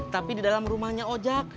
tapi didalam rumahnya ojak